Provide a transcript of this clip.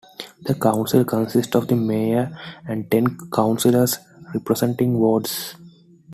The council consists of the mayor and ten councillors representing wards.